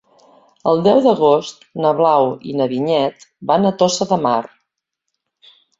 El deu d'agost na Blau i na Vinyet van a Tossa de Mar.